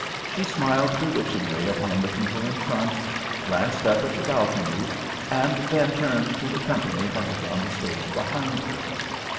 She smiled bewitchingly upon the people in front, glanced up at the balconies, and then turned to the company huddled on the stage behind her.